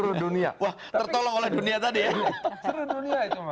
wah tertolong oleh dunia tadi ya